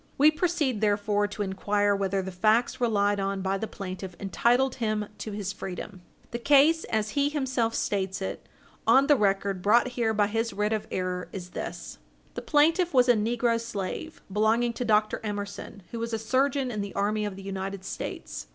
We proceed, therefore, to inquire whether the facts relied on by the plaintiff entitled him to his freedom. Page 60 U. S. 431 The case, as he himself states it, on the record brought here by his writ of error, is this: The plaintiff was a negro slave, belonging to Dr. Emerson, who was a surgeon in the army of the United States.